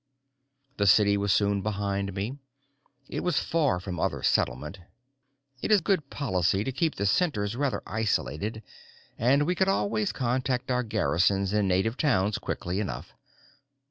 The city was soon behind me. It was far from other settlement it is good policy to keep the Centers rather isolated, and we could always contact our garrisons in native towns quickly enough.